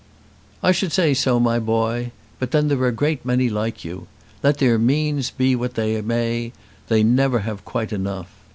"I should say so, my boy. But then there are a great many like you. Let their means be what they may, they never have quite enough.